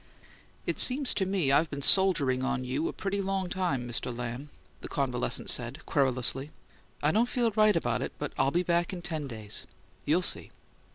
"It seems to me I've been soldiering on you a pretty long while, Mr. Lamb," the convalescent said, querulously. "I don't feel right about it; but I'll be back in ten days. You'll see."